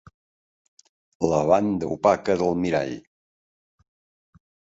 La banda opaca del mirall.